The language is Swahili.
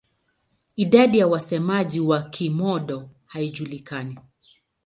Idadi ya wasemaji wa Kihmong-Dô haijulikani.